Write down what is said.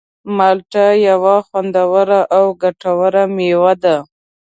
مالټه یوه خوندوره او ګټوره مېوه ده.